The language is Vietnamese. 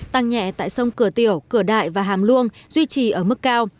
tăng nhẹ tại sông cửa tiểu cửa đại và hàm luông duy trì ở mức cao